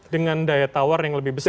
dengan daya tawar yang lebih besar